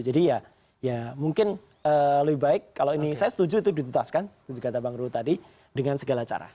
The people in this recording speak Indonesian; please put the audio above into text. jadi ya mungkin lebih baik kalau ini saya setuju itu ditutupkan itu juga kata bang ruh tadi dengan segala cara